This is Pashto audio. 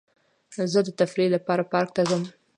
زه د تفریح لپاره پارک ته ځم.